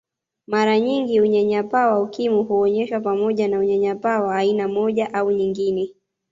Mara nyingi unyanyapaa wa Ukimwi huonyeshwa pamoja na unyanyapaa wa aina moja au nyingine